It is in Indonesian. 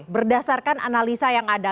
berdasarkan analisa yang ada